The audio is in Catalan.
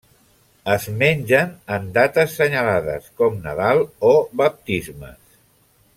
Es mengen en dates senyalades com Nadal o baptismes.